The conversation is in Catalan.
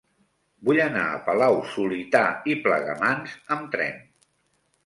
Vull anar a Palau-solità i Plegamans amb tren.